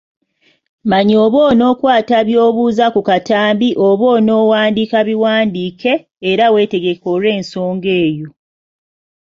Manya oba onookwata by’obuuza ku katambi oba onoowandiika biwandiike era weetegeke olw’ensonga eyo.